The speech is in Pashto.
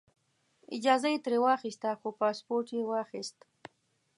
اجازه یې ترې واخیسته خو پاسپورټ یې واخیست.